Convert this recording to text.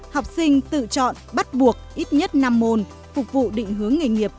học sinh tự chọn bắt buộc ít nhất năm môn phục vụ định hướng nghề nghiệp